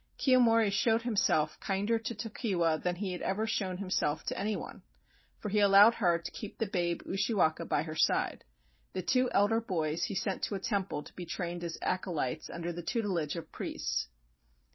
Kiyomori showed himself kinder to Tokiwa than he had ever shown himself to any one, for he allowed her to keep the babe Ushiwaka by her side. The two elder boys he sent to a temple to be trained as acolytes under the tutelage of priests.